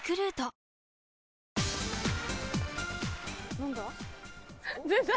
何だ？